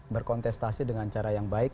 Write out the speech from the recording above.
berkontestasi dengan cara yang baik